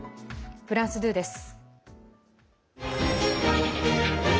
フランス２です。